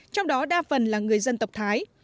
trong đó đa phần là người dân tộc thái